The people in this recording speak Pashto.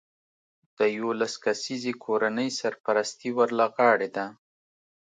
د یولس کسیزې کورنۍ سرپرستي ور له غاړې ده